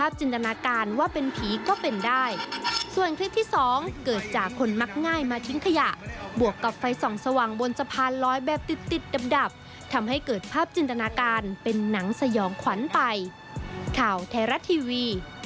บวกกับไฟส่องสว่างบนสะพานร้อยแบบติดดับทำให้เกิดภาพจินตนาการเป็นหนังสยองขวัญไป